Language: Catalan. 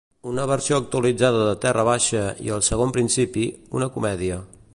Una versió actualitzada de "Terra baixa" i "El segon principi", una comèdia.